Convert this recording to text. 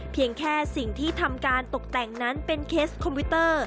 เพียงแค่สิ่งที่ทำการตกแต่งนั้นเป็นเคสคอมพิวเตอร์